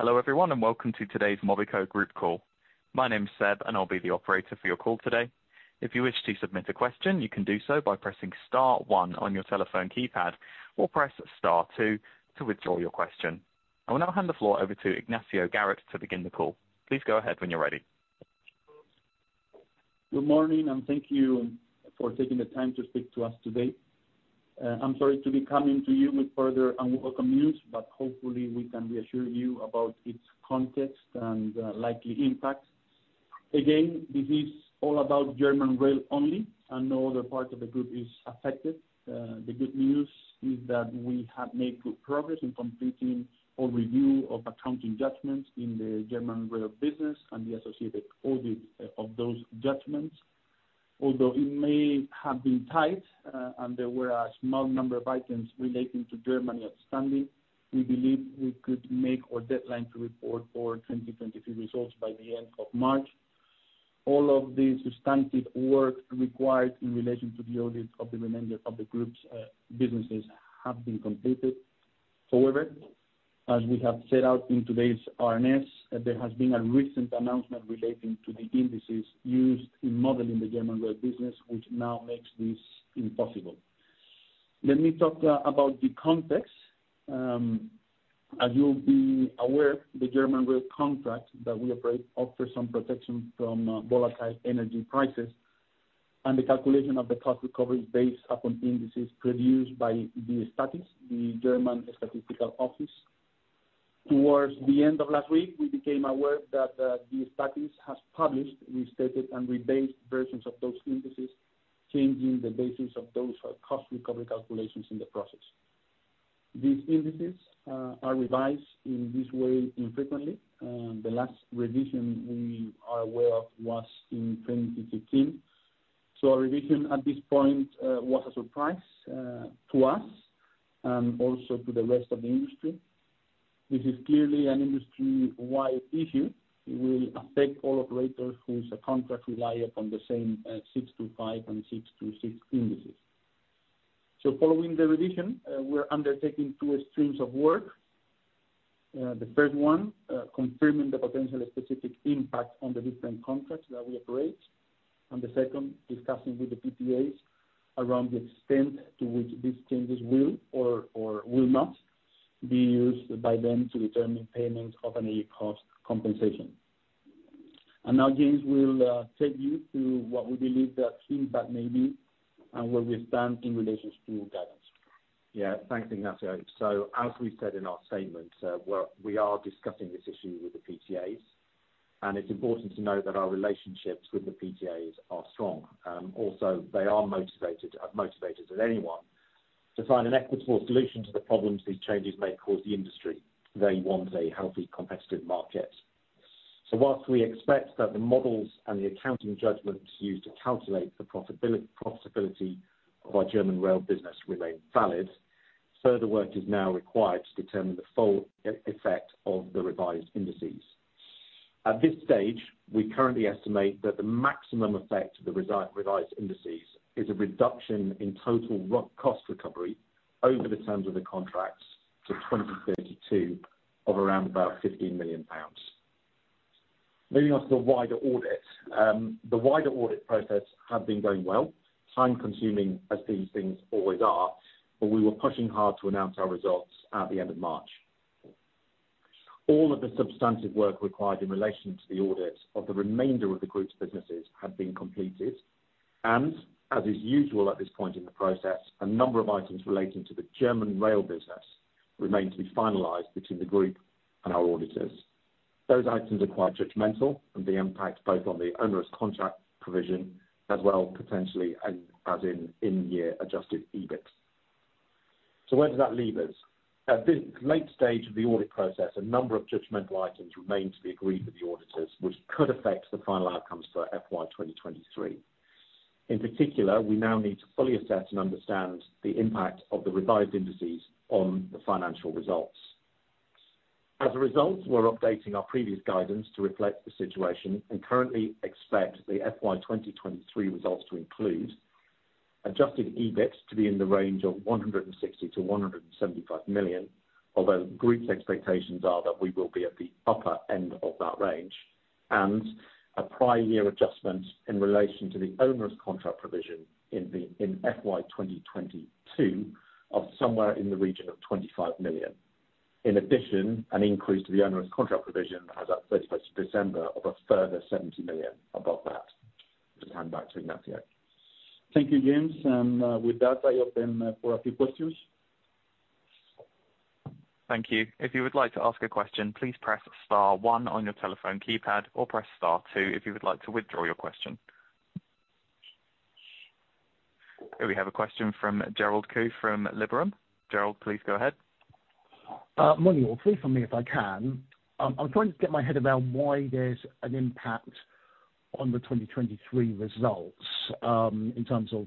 Hello everyone and welcome to today's Mobico Group call. My name's Seb and I'll be the operator for your call today. If you wish to submit a question, you can do so by pressing Star One on your telephone keypad or press Star Two to withdraw your question. I will now hand the floor over to Ignacio Garat to begin the call. Please go ahead when you're ready. Good morning and thank you for taking the time to speak to us today. I'm sorry to be coming to you with further unwelcome news, but hopefully we can reassure you about its context and likely impacts. Again, this is all about German Rail only and no other part of the group is affected. The good news is that we have made good progress in completing our review of accounting judgments in the German Rail business and the associated audit of those judgments. Although it may have been tight, and there were a small number of items relating to Germany outstanding, we believe we could make our deadline to report our 2023 results by the end of March. All of the substantive work required in relation to the audit of the remainder of the group's businesses have been completed. However, as we have set out in today's RNS, there has been a recent announcement relating to the indices used in modeling the German Rail business, which now makes this impossible. Let me talk about the context. As you'll be aware, the German Rail contract that we operate offers some protection from volatile energy prices and the calculation of the cost recovery based upon indices produced by Destatis, the German statistical office. Towards the end of last week, we became aware that Destatis has published restated and rebased versions of those indices, changing the basis of those cost recovery calculations in the process. These indices are revised in this way infrequently. The last revision we are aware of was in 2015. So a revision at this point was a surprise to us and also to the rest of the industry. This is clearly an industry-wide issue. It will affect all operators whose contracts rely upon the same, 625 and 626 indices. So following the revision, we're undertaking two streams of work. The first one, confirming the potential specific impact on the different contracts that we operate, and the second, discussing with the PTAs around the extent to which these changes will or, or will not be used by them to determine payment of energy cost compensation. And now James will, take you through what we believe that impact may be and where we stand in relation to guidance. Yeah. Thanks, Ignacio. So as we said in our statement, we're discussing this issue with the PTAs, and it's important to note that our relationships with the PTAs are strong. Also, they are motivated as anyone to find an equitable solution to the problems these changes may cause the industry. They want a healthy, competitive market. So while we expect that the models and the accounting judgments used to calculate the profitability of our German Rail business remain valid, further work is now required to determine the full effect of the revised indices. At this stage, we currently estimate that the maximum effect of the revised indices is a reduction in total rough cost recovery over the terms of the contracts to 2032 of around about 15 million pounds. Moving on to the wider audit, the wider audit process had been going well, time-consuming as these things always are, but we were pushing hard to announce our results at the end of March. All of the substantive work required in relation to the audit of the remainder of the group's businesses had been completed, and as is usual at this point in the process, a number of items relating to the German Rail business remain to be finalized between the group and our auditors. Those items are quite judgmental and the impact both on the Onerous Contract Provision as well potentially as, as in, in-year Adjusted EBIT. So where does that leave us? At this late stage of the audit process, a number of judgmental items remain to be agreed with the auditors, which could affect the final outcomes for FY 2023. In particular, we now need to fully assess and understand the impact of the revised indices on the financial results. As a result, we're updating our previous guidance to reflect the situation and currently expect the FY 2023 results to include Adjusted EBIT to be in the range of 160-175 million, although the group's expectations are that we will be at the upper end of that range, and a prior year adjustment in relation to the onerous contract provision in FY 2022 of somewhere in the region of 25 million. In addition, an increase to the Onerous Contract Provision as of 31st December of a further 70 million above that. I'll just hand back to Ignacio. Thank you, James. With that, I open for a few questions. Thank you. If you would like to ask a question, please press Star One on your telephone keypad or press Star Two if you would like to withdraw your question. Here we have a question from Gerald Khoo from Liberum. Gerald, please go ahead. Morning all. Please hear me if I can. I'm trying to get my head around why there's an impact on the 2023 results, in terms of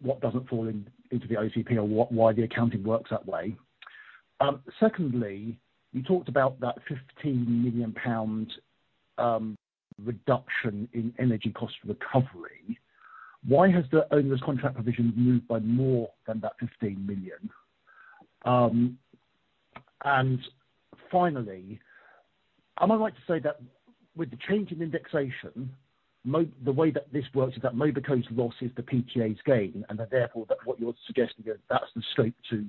what doesn't fall into the OCP or why the accounting works that way. Secondly, you talked about that 15 million pound reduction in energy cost recovery. Why has the onerous contract provision moved by more than that 15 million? And finally, am I right to say that with the change in indexation, the way that this works is that Mobico's loss is the PTA's gain, and that therefore what you're suggesting is that's the scope to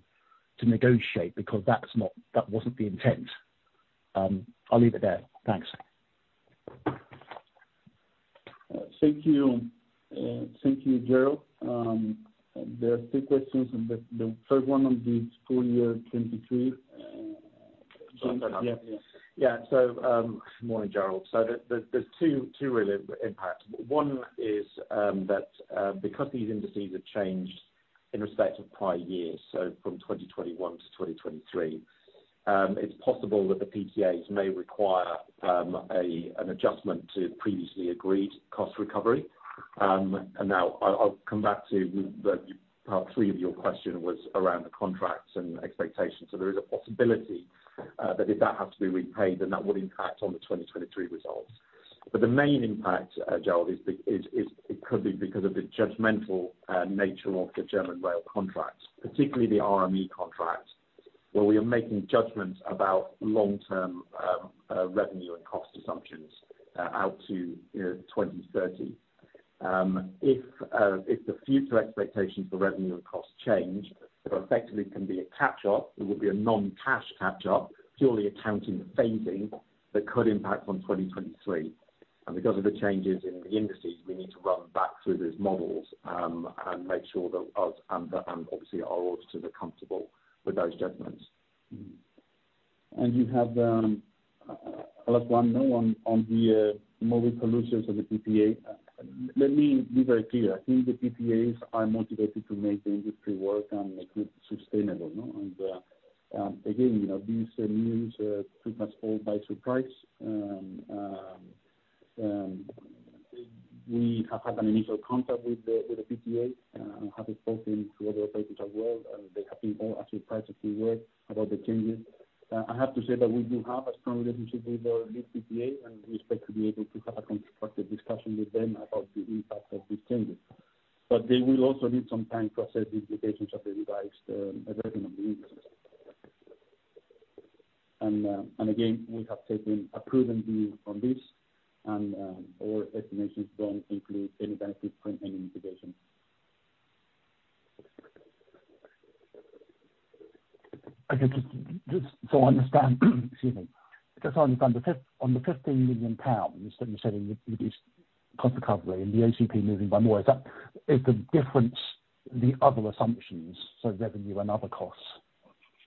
negotiate because that's not that wasn't the intent. I'll leave it there. Thanks. Thank you. Thank you, Gerald. There are two questions, and the, the first one on the full year 2023. James. Oh, sorry. Yeah, yeah. Yeah. So, Morning, Gerald. So there, there's two really impacts. One is that, because these indices have changed in respect of prior years, so from 2021 to 2023, it's possible that the PTAs may require an adjustment to previously agreed cost recovery. And now I'll come back to the part three of your question was around the contracts and expectations. So there is a possibility that if that has to be repaid, then that would impact on the 2023 results. But the main impact, Gerald, is it could be because of the judgmental nature of the German Rail contract, particularly the RME contract, where we are making judgments about long-term revenue and cost assumptions, out to 2030. If the future expectations for revenue and cost change, that effectively can be a catch-up. It would be a non-cash catch-up, purely accounting phasing that could impact on 2023. Because of the changes in the indices, we need to run back through those models, and make sure that us and obviously our auditors are comfortable with those judgments. And you have last one? No one on the Mobico issues and the PTA. Let me be very clear. I think the PTAs are motivated to make the industry work and make it sustainable, no? And again, you know, these news took us all by surprise. We have had an initial contact with the PTA, have spoken to other operators as well, and they have all been as surprised about the news about the changes. I have to say that we do have a strong relationship with our lead PTA, and we expect to be able to have a constructive discussion with them about the impact of these changes. But they will also need some time to assess the implications of the revision of the indices. And again, we have taken a prudent view on this, and our estimations don't include any benefit from any mitigation. I can just so I understand, excuse me. Just so I understand, the GBP 15 million you're saying would reduce cost recovery and the OCP moving by more, is that the difference the other assumptions, so revenue and other costs,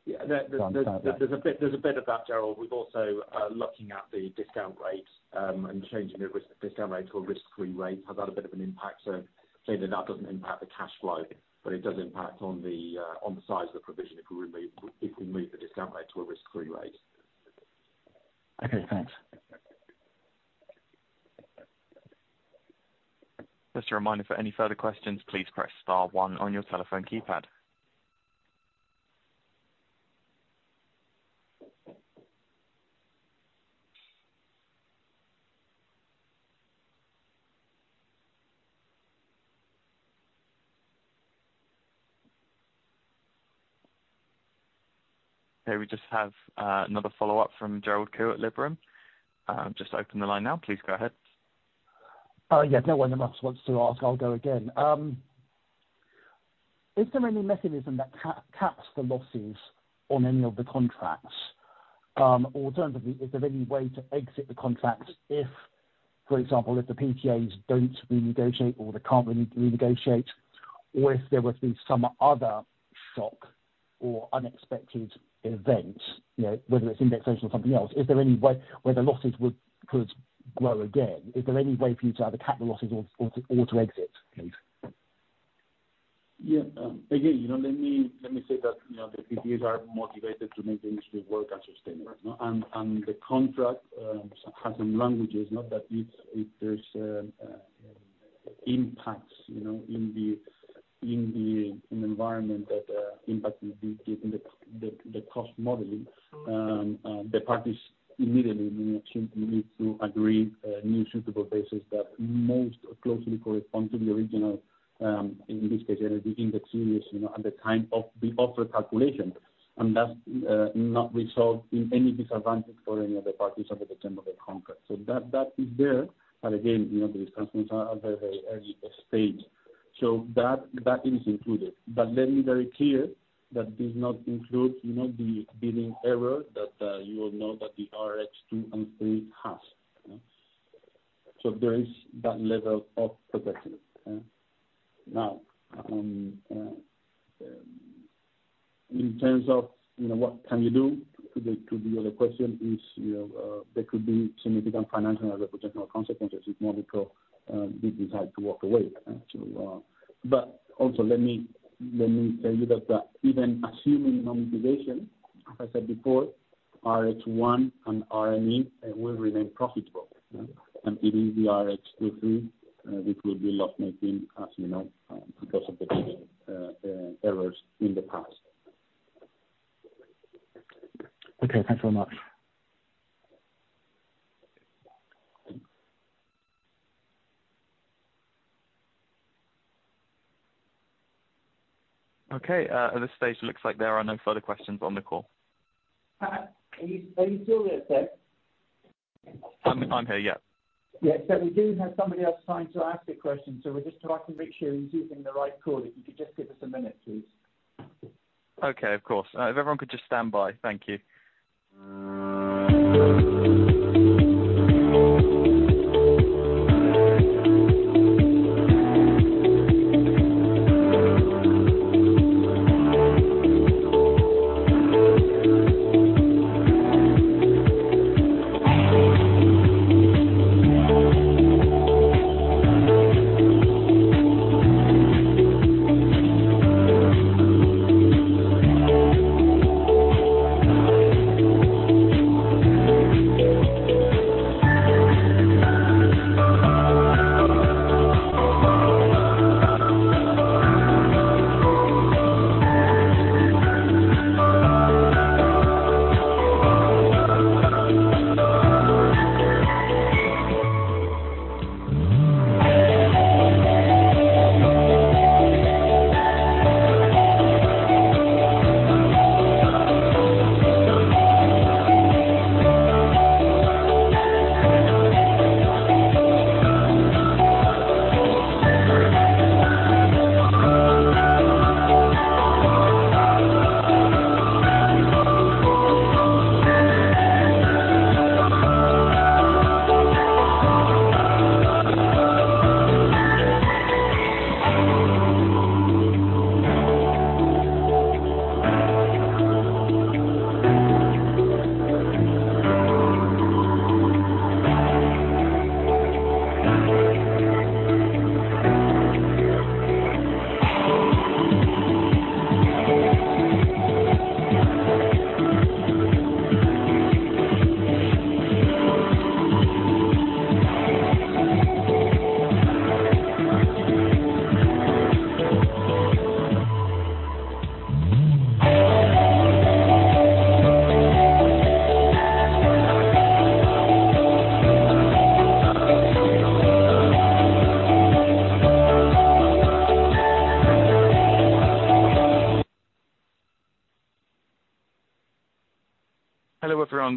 coming down? Yeah. There, there's a bit of that, Gerald. We've also, looking at the discount rate, and changing the risk discount rate to a risk-free rate has had a bit of an impact. So saying that that doesn't impact the cash flow, but it does impact on the, on the size of the provision if we move the discount rate to a risk-free rate. Okay. Thanks. Just a reminder, for any further questions, please press Star One on your telephone keypad. Okay. We just have another follow-up from Gerald Khoo at Liberum. Just open the line now. Please go ahead. Yes. No one. If I just wanted to ask, I'll go again. Is there any mechanism that caps the losses on any of the contracts, or in terms of the, is there any way to exit the contracts if, for example, if the PTAs don't renegotiate or they can't renegotiate, or if there was to be some other shock or unexpected event, you know, whether it's indexation or something else, is there any way where the losses could grow again? Is there any way for you to either cap the losses or to exit, please? Yeah. Again, you know, let me say that, you know, the PTAs are motivated to make the industry work and sustainable, no? And the contract has some languages, no? That if there's impacts, you know, in the environment that impact the cost modeling, the parties immediately need to agree new suitable bases that most closely correspond to the original, in this case, energy index series, you know, at the time of the offered calculation. And that's not resolved in any disadvantage for any of the parties under the term of the contract. So that is there. But again, you know, the responses are at a very, very early stage. So that is included. But let me be very clear that does not include, you know, the bidding error that, you all know that the RRX 2 and 3 has, no? So there is that level of protection, yeah? Now, in terms of, you know, what can you do to the other question is, you know, there could be significant financial and reputational consequences if Mobico did decide to walk away, yeah? So, but also, let me let me tell you that even assuming no mitigation, as I said before, RRX 1 and RME will remain profitable, no? And even the RRX 2, 3, which will be loss-making, as you know, because of the bidding errors in the past. Okay. Thanks very much. Okay. At this stage, it looks like there are no further questions on the call. Are you still there, sir? I'm here. Yeah. Yeah. So we do have somebody else trying to ask a question. So we're just so I can make sure he's using the right call. If you could just give us a minute, please. Okay. Of course. If everyone could just stand by. Thank you. Hello, everyone.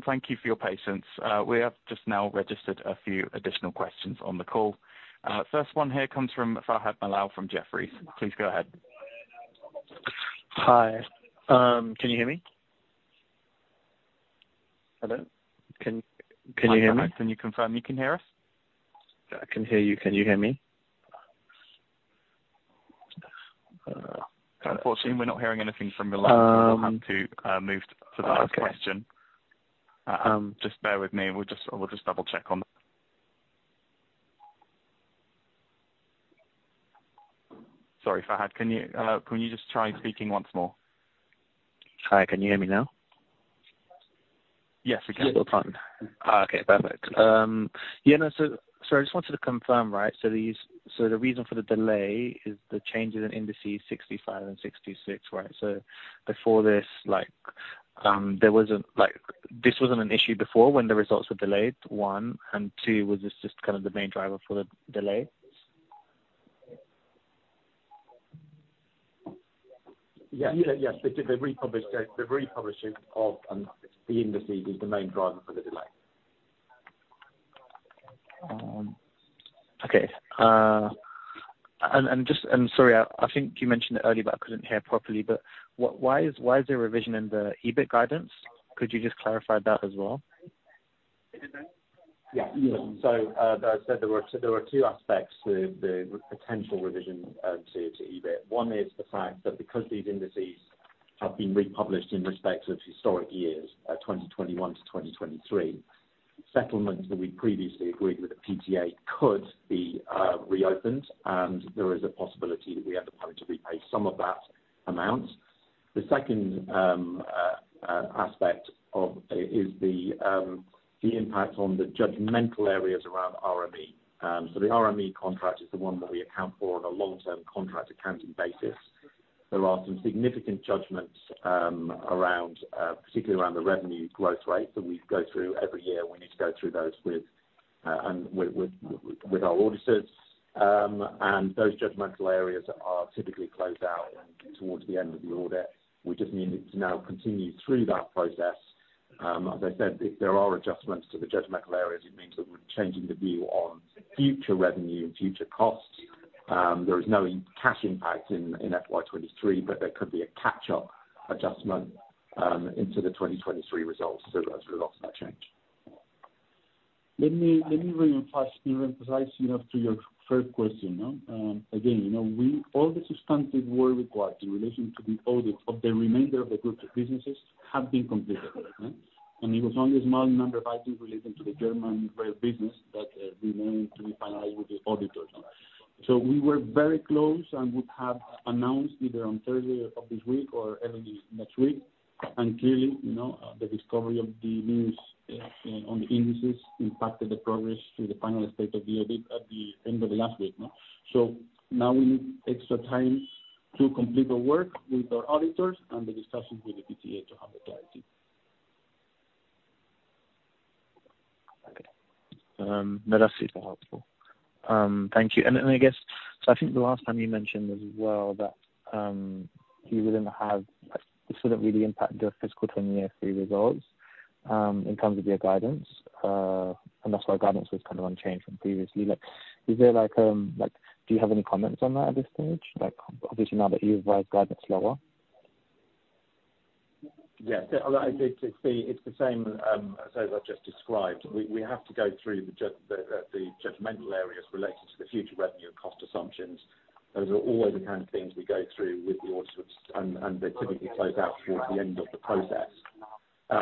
Thank you for your patience. We have just now registered a few additional questions on the call. First one here comes from Faezeh Molaei from Jefferies. Please go ahead. Hi. Can you hear me? Hello? Can you can you hear me? Hi, Farhad. Can you confirm you can hear us? I can hear you. Can you hear me? Unfortunately, we're not hearing anything from your line, so we'll have to move to the next question. Okay. Just bear with me. We'll just we'll just double-check on that. Sorry, Farhad. Can you can you just try speaking once more? Hi. Can you hear me now? Yes, we can. Yeah. It'll cut. Okay. Perfect. Yeah. No, so I just wanted to confirm, right? So these, so the reason for the delay is the changes in indices 625 and 626, right? So before this, like, there wasn't like, this wasn't an issue before when the results were delayed, one. And two, was this just kind of the main driver for the delay? Yes. The republishing of the indices is the main driver for the delay. Okay. And just, sorry. I think you mentioned it earlier, but I couldn't hear properly. But why is there a revision in the EBIT guidance? Could you just clarify that as well? Yeah. Yeah. So, as I said, there were two aspects to the potential revision to EBIT. One is the fact that because these indices have been republished in respect of historic years, 2021 to 2023, settlements that we previously agreed with the PTA could be reopened, and there is a possibility that we have the power to repay some of that amount. The second aspect of it is the impact on the judgmental areas around RME. So the RME contract is the one that we account for on a long-term contract accounting basis. There are some significant judgments around, particularly around the revenue growth rates that we go through every year. We need to go through those with our auditors. Those judgmental areas are typically closed out towards the end of the audit. We just need to now continue through that process. As I said, if there are adjustments to the judgmental areas, it means that we're changing the view on future revenue and future costs. There is no cash impact in, in FY23, but there could be a catch-up adjustment into the 2023 results as a result of that change. Let me reemphasize, you know, to your first question, no? Again, you know, all the substantive work required in relation to the audit of the remainder of the group of businesses have been completed, yeah? And it was only a small number of items relating to the German Rail business that remain to be finalized with the auditors, no? So we were very close and would have announced either on Thursday of this week or early next week. And clearly, you know, the discovery of the news on the indices impacted the progress to the final state of the audit at the end of last week, no? So now we need extra time to complete the work with our auditors and the discussions with the PTA to have the clarity. Okay. No, that seems very helpful. Thank you. And, and I guess so I think the last time you mentioned as well that, you didn't have like, this wouldn't really impact your fiscal 2023 results, in terms of your guidance, and that's why guidance was kind of unchanged from previously. Like, is there like, like, do you have any comments on that at this stage? Like, obviously, now that you've revised guidance lower. Yeah. Well, I'd say it's the same, as I've just described. We have to go through the judgmental areas related to the future revenue and cost assumptions. Those are always the kind of things we go through with the auditors, and they're typically closed out towards the end of the process.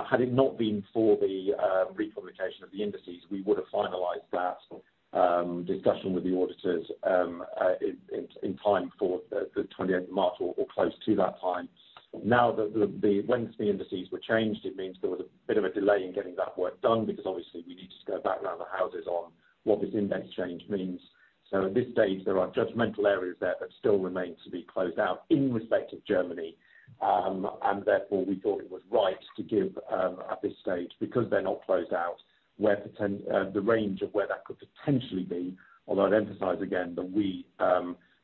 Had it not been for the republication of the indices, we would have finalized that discussion with the auditors in time for the 28th of March or close to that time. Now that, once the indices were changed, it means there was a bit of a delay in getting that work done because, obviously, we needed to go back around the houses on what this index change means. So at this stage, there are judgmental areas there that still remain to be closed out in respect of Germany. and therefore, we thought it was right to give, at this stage, because they're not closed out, where potentially the range of where that could potentially be, although I'd emphasize, again, that we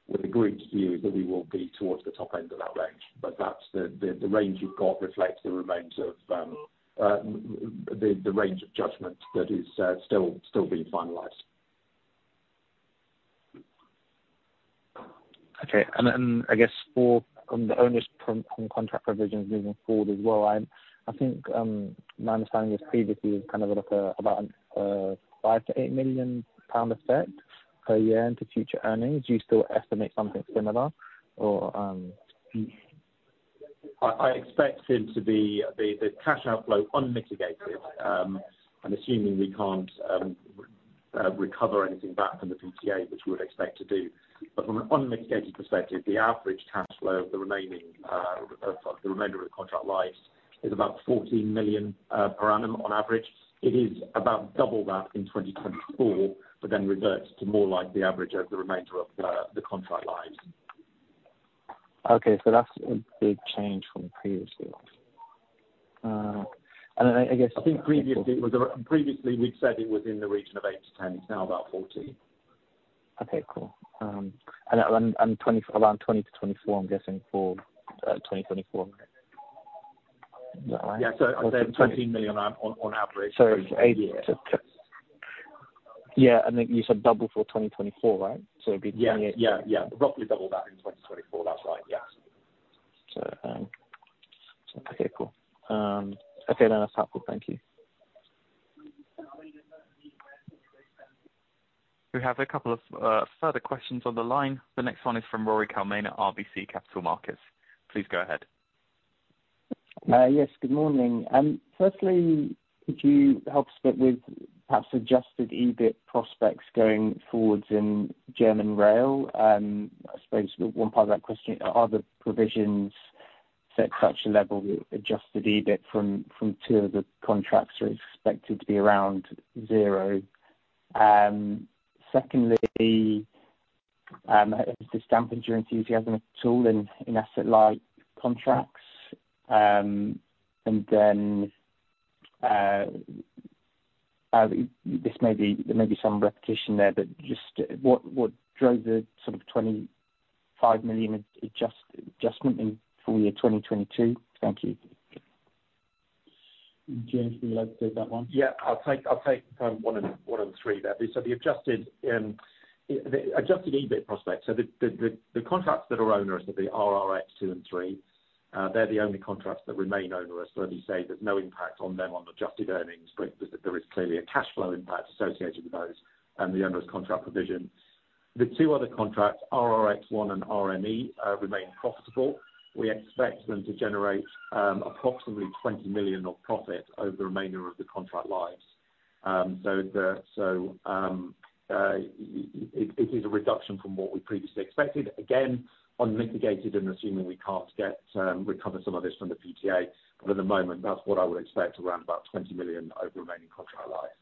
would agree with you that we will be towards the top end of that range. But that's the range you've got reflects the remainder of the range of judgment that is still being finalized. Okay. And I guess for the onerous contract provisions moving forward as well, I think my understanding was previously it was kind of at about a 5 million-8 million pound effect per year into future earnings. Do you still estimate something similar or, I expect them to be the cash outflow unmitigated, and assuming we can't recover anything back from the PTA, which we would expect to do. But from an unmitigated perspective, the average cash flow of the remainder of the contract lives is about 14 million per annum on average. It is about double that in 2024, but then reverts to more like the average of the remainder of the contract lives. Okay. So that's a big change from previously. And then I, I guess. I think previously, we'd said it was in the region of 8-10. It's now about 14. Okay. Cool. Around 20 to 24, I'm guessing, for 2024, right? Is that right? Yeah. So I'd say 14 million on average. So it's 8, too, yeah. Yeah. And then you said double for 2024, right? So it'd be 28. Yeah. Yeah. Yeah. Roughly double that in 2024. That's right. Yes. So, okay. Cool. Okay. No, that's helpful. Thank you. We have a couple of further questions on the line. The next one is from Ruairi Cullinane at RBC Capital Markets. Please go ahead. Yes. Good morning. First, could you help us a bit with perhaps Adjusted EBIT prospects going forward in German Rail? I suppose one part of that question, are the provisions set at such a level that Adjusted EBIT from two of the contracts are expected to be around zero? Second, has this dampened investor enthusiasm at all in asset-light contracts? And then, there may be some repetition there, but just what drove the sort of 25 million adjustment in for year 2022? Thank you. James, would you like to take that one? Yeah. I'll take kind of one and one and three there. So the Adjusted EBIT prospects, so the contracts that are onerous, so the RRX 2 and 3, they're the only contracts that remain onerous. So as you say, there's no impact on them on adjusted earnings, but there is clearly a cash flow impact associated with those and the onerous contract provision. The two other contracts, RRX 1 and RME, remain profitable. We expect them to generate approximately 20 million of profit over the remainder of the contract lives. So it is a reduction from what we previously expected. Again, unmitigated and assuming we can't get recover some of this from the PTA, but at the moment, that's what I would expect around about 20 million over remaining contract lives.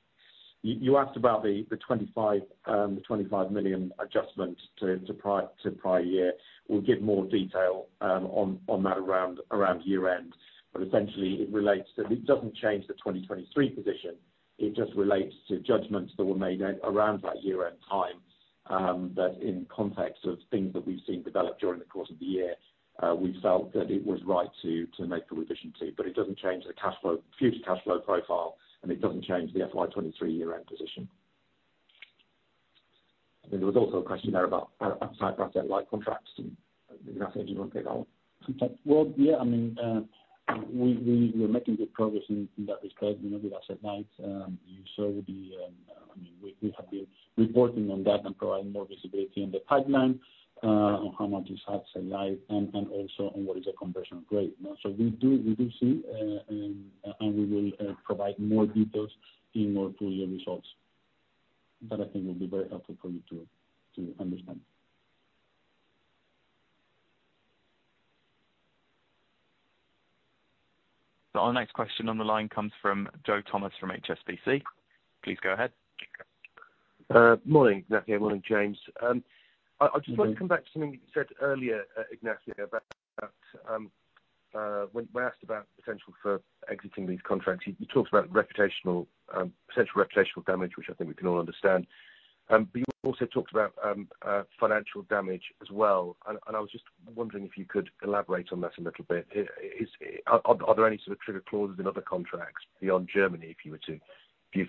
You asked about the 25 million adjustment to prior year. We'll give more detail on that around year-end. But essentially, it relates to. It doesn't change the 2023 position. It just relates to judgments that were made around that year-end time, that in context of things that we've seen develop during the course of the year, we felt that it was right to make the revision to. But it doesn't change the cash flow future cash flow profile, and it doesn't change the FY23 year-end position. I think there was also a question there about asset-light contracts. Ignacio, did you want to take that one? Okay. Well, yeah. I mean, we're making good progress in that respect, you know, with asset-lights. You saw the, I mean, we have been reporting on that and providing more visibility on the pipeline, on how much is asset-light and also on what is the conversion rate, no? So we do see, and we will provide more details in our full-year results that I think will be very helpful for you to understand. Our next question on the line comes from Joe Thomas from HSBC. Please go ahead. Morning, Ignacio. Morning, James. I just wanted to come back to something you said earlier, Ignacio, about when asked about potential for exiting these contracts, you talked about reputational, potential reputational damage, which I think we can all understand. But you also talked about financial damage as well. And I was just wondering if you could elaborate on that a little bit. Are there any sort of trigger clauses in other contracts beyond Germany if you were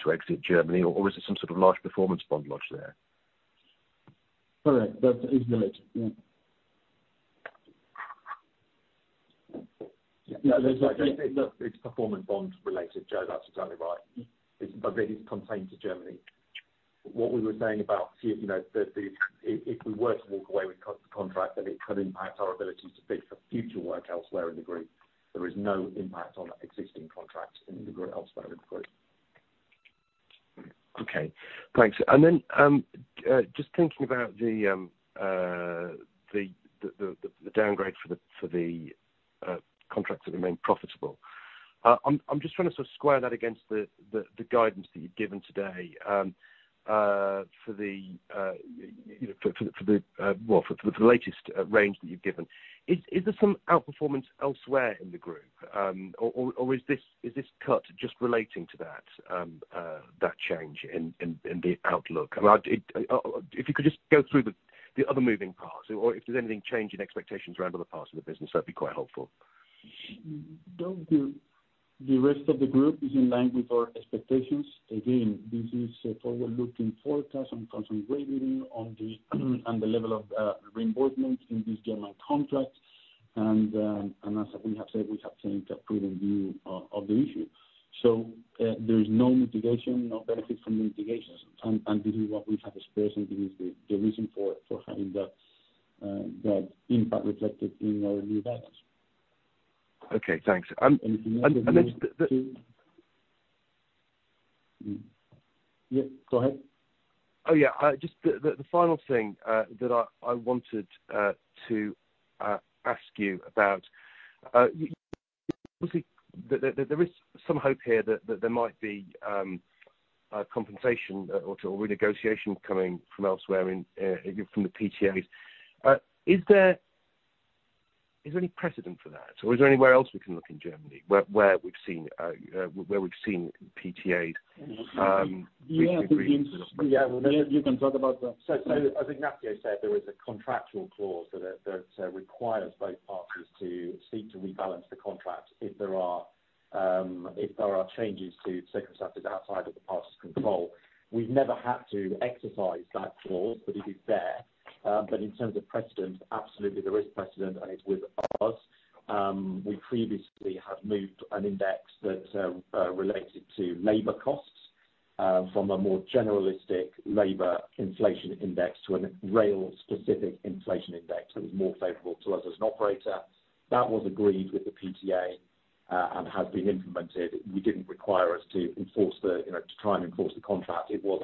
to exit Germany, or is it some sort of large performance bond lodged there? Correct. That is related. Yeah. No, there's no. It's performance bond related, Joe. That's exactly right. It's, but it is contained to Germany. What we were saying about future, you know, if we were to walk away with the contract, then it could impact our ability to bid for future work elsewhere in the group. There is no impact on existing contracts in the group elsewhere in the group. Okay. Thanks. And then, just thinking about the downgrade for the contracts that remain profitable, I'm just trying to sort of square that against the guidance that you've given today, you know, for the well, for the latest range that you've given. Is there some outperformance elsewhere in the group, or is this cut just relating to that change in the outlook? I mean, if you could just go through the other moving parts or if there's anything changed in expectations around other parts of the business, that'd be quite helpful. The rest of the group is in line with our expectations. Again, this is a forward-looking forecast concentrated on the level of reimbursement in these German contracts. And as we have said, we have taken a prudent view of the issue. So, there is no mitigation, no benefit from mitigations. And this is what we have expressed, and this is the reason for having that impact reflected in our new guidance. Okay. Thanks. And then the... Yeah. Go ahead. Oh, yeah. Just the final thing that I wanted to ask you about, you obviously, there is some hope here that there might be compensation or renegotiation coming from elsewhere, from the PTAs. Is there any precedent for that, or is there anywhere else we can look in Germany where we've seen PTAs increase? Yeah. You can talk about the so, so as Ignacio said, there is a contractual clause that requires both parties to seek to rebalance the contract if there are changes to circumstances outside of the party's control. We've never had to exercise that clause, but it is there. But in terms of precedent, absolutely, there is precedent, and it's with us. We previously had moved an index that related to labor costs, from a more generalistic labor inflation index to a rail-specific inflation index that was more favorable to us as an operator. That was agreed with the PTA, and has been implemented. We didn't require us to enforce the you know, to try and enforce the contract. It was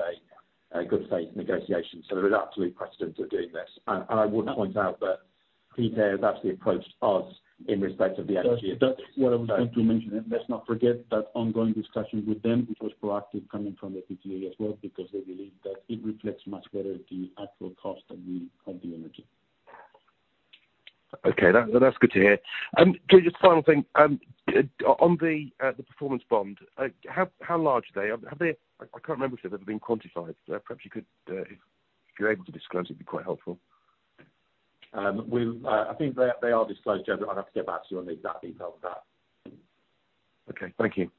a good faith negotiation. So there is absolute precedent of doing this. I would point out that PTAs actually approached us in respect of the energy. That's, that's what I was going to mention. Let's not forget that ongoing discussion with them, which was proactive coming from the PTA as well, because they believe that it reflects much better the actual cost of the energy. Okay. That's good to hear. George, just final thing on the performance bond, how large are they? Have they? I can't remember if they've ever been quantified. Perhaps you could, if you're able to disclose it, it'd be quite helpful. We've, I think they, they are disclosed, Joe. But I'd have to get back to you on the exact details of that. Okay. Thank you.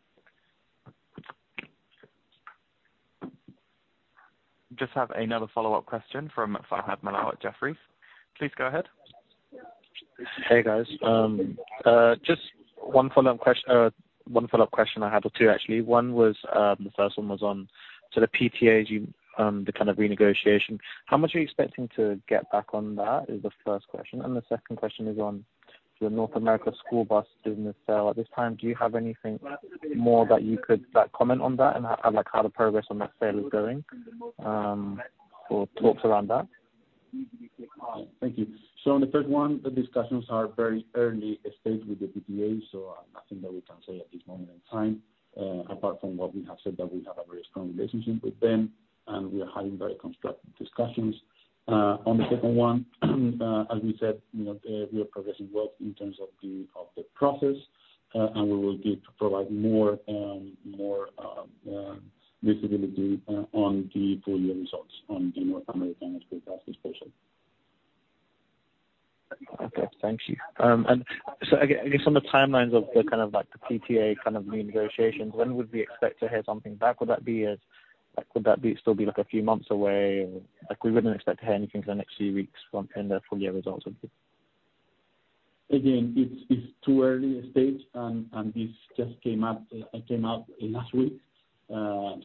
Just have another follow-up question from Faezeh Molaei Jefferies. Please go ahead. Hey, guys. Just one follow-up question I had or two, actually. One was, the first one was on so the PTAs, you the kind of renegotiation. How much are you expecting to get back on that? That is the first question. And the second question is on the North America school bus business sale. At this time, do you have anything more that you could comment on that and how, like, how the progress on that sale is going, or talks around that? Thank you. So on the first one, the discussions are very early stage with the PTA, so nothing that we can say at this moment in time, apart from what we have said that we have a very strong relationship with them, and we are having very constructive discussions. On the second one, as we said, you know, we are progressing well in terms of the process, and we will get to provide more visibility on the full-year results on the North American school bus disposal. Okay. Thank you. And so I guess on the timelines of the kind of, like, the PTA kind of renegotiations, when would we expect to hear something back? Would that be as like, would that be still be, like, a few months away, or like, we wouldn't expect to hear anything for the next few weeks from in the full-year results of the? Again, it's too early a stage, and this just came out last week.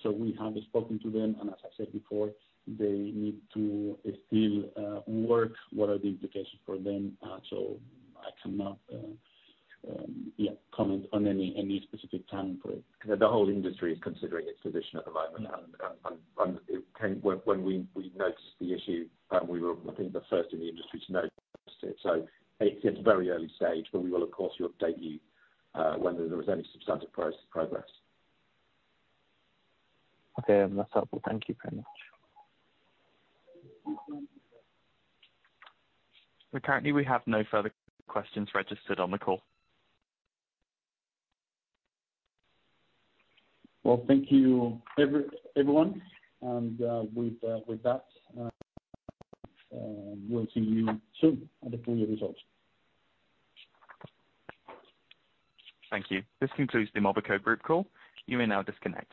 So we have spoken to them, and as I said before, they need to work. What are the implications for them? So I cannot comment on any specific timing for it. Because the whole industry is considering its position at the moment, and it came when we noticed the issue, and we were, I think, the first in the industry to notice it. So it's very early stage, but we will, of course, update you when there is any substantive progress. Okay. That's helpful. Thank you very much. Currently, we have no further questions registered on the call. Well, thank you, everyone. With that, we'll see you soon at the full-year results. Thank you. This concludes the Mobico Group call. You may now disconnect.